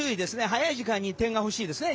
早い時間に点が欲しいですね。